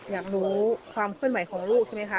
อยากรู้ความเพิ่มใหม่ของลูกใช่ไหมคะ